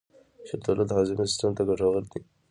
شفتالو د هاضمې سیستم ته ګټور دی.